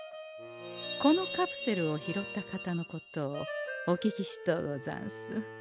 このカプセルを拾った方のことをお聞きしとうござんす。